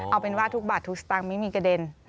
เอาเป็นว่าทุกบาททุกสตางค์ไม่มีกระเด็น